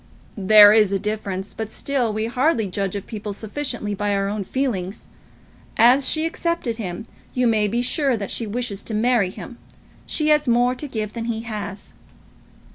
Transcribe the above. "There is a difference; but, still, we hardly judge of people sufficiently by our own feelings. As she accepted him, you may be sure that she wishes to marry him. She has more to give than he has."